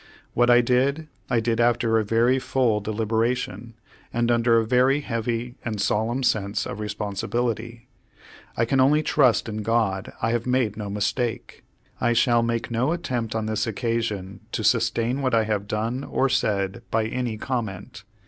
What I did, I did after a very full deliberation, and under a very heavy and solemn sense of responsibility. I can only trust in God I have made no mistake. I shall make no attempt on this occasion to sustain what I have done or said by any comment.